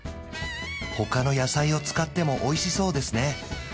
他の野菜を使ってもおいしそうですね